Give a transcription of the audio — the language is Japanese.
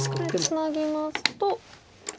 これツナぎますと。